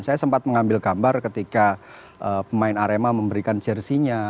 saya sempat mengambil gambar ketika pemain arema memberikan jersinya